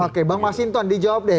oke bang mas sinton dijawab deh